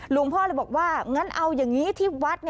หลวงพ่อเลยบอกว่างั้นเอาอย่างนี้ที่วัด